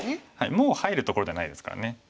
もう入るところではないですからね。